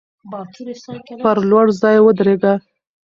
پر لوړ ځای ودریږه.